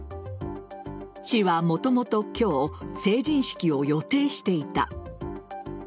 市はもともと今日成人式を予定していた。